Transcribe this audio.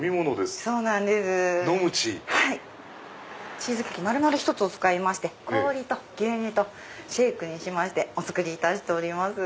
チーズケーキ丸々１つ使いまして氷と牛乳とシェークにしましてお作りいたしております。